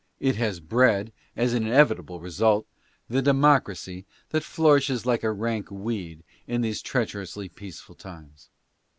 It has bred, as an inevi 46 ADDRESSES. table result, the democracy that flourishes like a rank weed in these treacherously peaceful times.